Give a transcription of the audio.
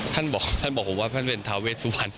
ท่านบอกท่านบอกผมว่าท่านเป็นทาเวสวรรณ